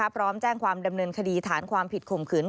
พร้อมแจ้งความดำเนินคดีฐานความผิดข่มขืน